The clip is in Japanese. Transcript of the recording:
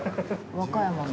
和歌山の？